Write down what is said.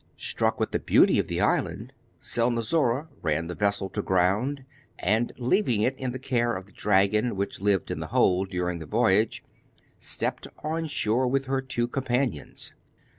Struck with the beauty of the island, Selnozoura ran the vessel to ground, and leaving it in the care of the dragon which lived in the hold during the voyage, stepped on shore with her two companions.